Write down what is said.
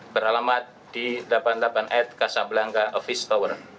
beralamat di delapan ratus delapan puluh delapan kasablangga office tower